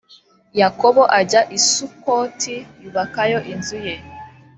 yakobo ajya i sukoti yubakayo inzu ye